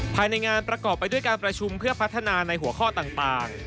ภายในงานประกอบไปด้วยการประชุมเพื่อพัฒนาในหัวข้อต่าง